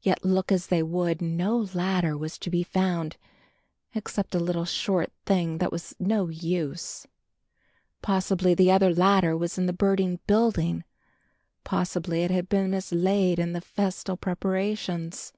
Yet, look as they would, no ladder was to be found except a little short thing that was no use. Possibly the other ladder was in the burning building, possibly it had been mislaid in the festal preparations.